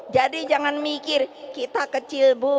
jadi jangan mikir kita kecil bu